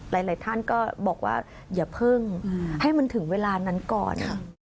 หลายท่านก็บอกว่าอย่าเพิ่งให้มันถึงเวลานั้นก่อน